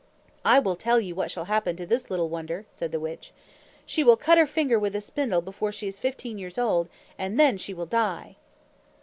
"I will tell you what shall happen to this little wonder," said the witch. "She will cut her finger with a spindle before she is fifteen years old, and then she will die!"